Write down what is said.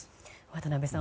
渡辺さん。